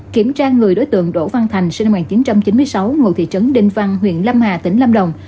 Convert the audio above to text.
kiểm tra người đối tượng đỗ văn thành sinh năm một nghìn chín trăm chín mươi sáu ngôi thị trấn đinh văn huyện lam hà tỉnh lam đồng